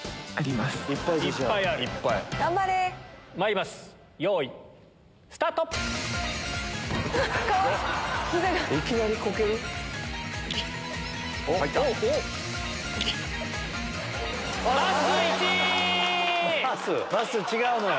まっすー違うのよ。